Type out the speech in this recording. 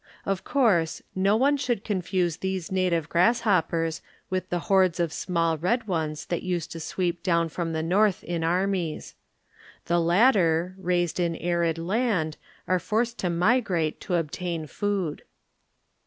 Of course, no one should confuse these native grasshoppers with the hordes of small red oner that used to sweep down from the North in armies. The latter, raised in arid land, are forced to migrate to obtain food.